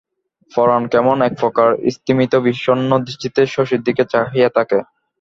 পরাণ কেমন একপ্রকার স্তিমিত বিষন্ন দৃষ্টিতে শশীর দিকে চাহিয়া থাকে।